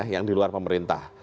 yang di luar pemerintah